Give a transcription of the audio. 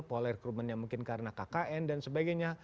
pola recruitment yang mungkin karena kkn dan sebagainya